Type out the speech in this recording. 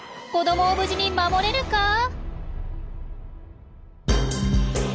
子どもを無事に守れるか？